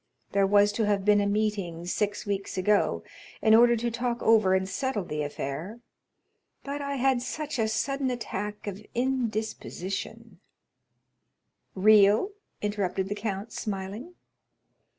There was to have been a meeting six weeks ago in order to talk over and settle the affair; but I had such a sudden attack of indisposition——" "Real?" interrupted the count, smiling.